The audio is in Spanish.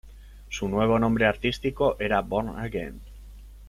Su nuevo nombre artístico era "Borne Again".